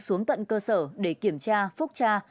xuống tận cơ sở để kiểm tra phúc tra